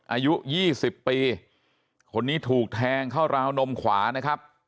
อายุ๒๐ปีคนนี้ถูกแทงเข้าราวนมขวานะครับ